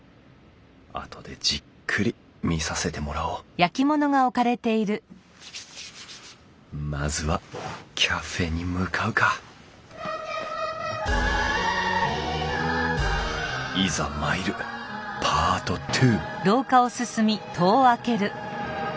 あとでじっくり見させてもらおうまずはカフェに向かうかいざ参るパート２！